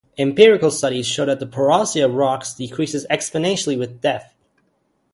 Empirical studies show that the porosity of rocks decreases exponentially with depth.